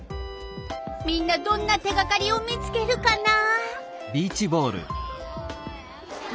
みんなどんな手がかりを見つけるかな？